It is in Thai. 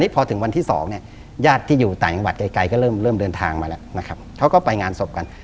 พอถึงวันที่๒เนี่ยญาติที่อยู่ต่างจังหวัดไกลก็เริ่มเดินทางมาแล้วนะครับเขาก็ไปงานศพกัน